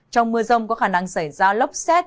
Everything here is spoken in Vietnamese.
trong mưa rông có khả năng xảy ra lốc xét